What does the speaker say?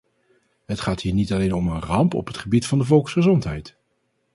Het gaat hier niet alleen om een ramp op het gebied van de volksgezondheid.